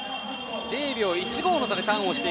０秒１５の差でターンです。